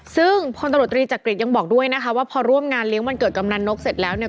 ซึ่งพลตำรวจตรีจักริตยังบอกด้วยนะคะว่าพอร่วมงานเลี้ยงวันเกิดกำนันนกเสร็จแล้วเนี่ย